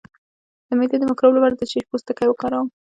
د معدې د مکروب لپاره د څه شي پوستکی وکاروم؟